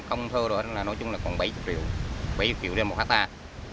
ông thơ đó là nói chung là khoảng bảy mươi triệu bảy mươi triệu đồng một hectare